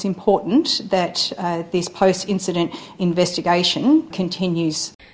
dan penting bahwa penyelidikan setelah kejadian ini terus berlanjut